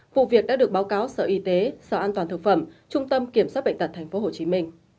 vụ việc đã được báo cáo sở y tế sở an toàn thực phẩm trung tâm kiểm soát bệnh tật tp hcm